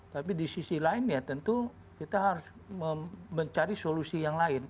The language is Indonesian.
tapi di sisi lain ya tentu kita harus mencari solusi yang lain